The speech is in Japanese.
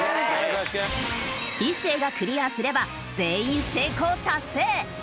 一世がクリアすれば全員成功達成！